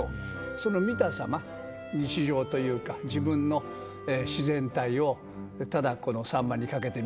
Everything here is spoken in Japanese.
その見たさま日常というか自分の自然体をただこの秋刀魚に掛けてみたわけ。